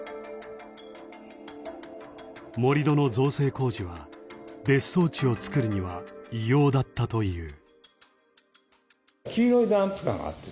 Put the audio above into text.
盛り土の造成工事は別荘地を造るには異様だったという。